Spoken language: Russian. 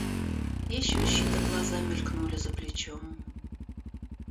Еще чьи-то глаза мелькнули за плечом.